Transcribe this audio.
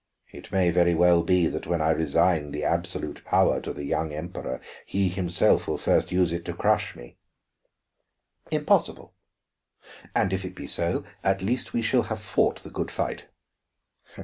It may very well be that when I resign the absolute power to the young Emperor, he himself will first use it to crush me." "Impossible! And if it be so, at least we shall have fought the good fight."